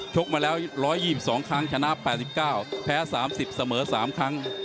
กมาแล้ว๑๒๒ครั้งชนะ๘๙แพ้๓๐เสมอ๓ครั้ง